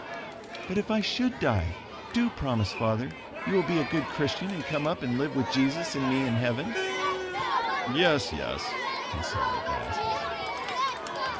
"But if I should die, do promise, Father, you will be a good Christian and come up and live with Jesus and me in heaven." "Yes, yes!" he said at last.